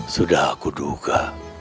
sudah aku duka